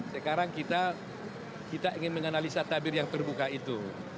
sekarang kita ingin menganalisa tabir yang terbuka itu